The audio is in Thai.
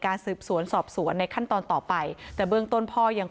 สืบสวนสอบสวนในขั้นตอนต่อไปแต่เบื้องต้นพ่อยัง